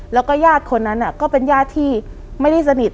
แล้วก็ญาติคนนั้นก็เป็นญาติที่ไม่ได้สนิท